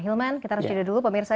hilman kita harus jeda dulu pemirsa